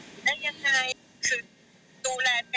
หรือจนเนี่ยค่ะประมาณแบบเกือบ๑๐วันที่อยู่ตรงนั้นกัน